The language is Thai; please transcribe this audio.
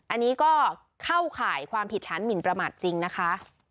อันนี้ก็เข้าข่ายความผิดฐานหมินประมาทจริงนะคะ